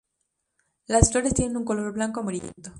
Las flores tienen un color blanco amarillento.